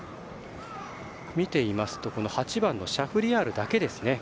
見ていますと８番、シャフリヤールだけですね。